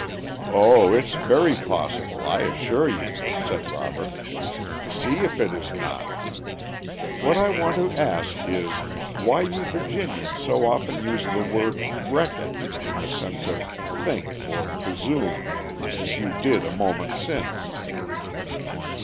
"O it's very possible, I assure you!" said Robert. "See if it is not. What I want to ask is, why you Virginians so often use the word 'reckon' in the sense of 'think' or 'presume,' as you did a moment since?"